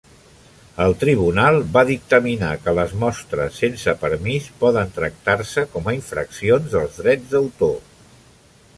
El tribunal va dictaminar que les mostres sense permís poden tractar-se com a infraccions dels drets d'autor.